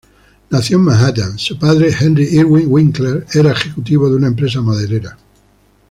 Nació en Manhattan, su padre, Harry Irving Winkler, era ejecutivo de una empresa maderera.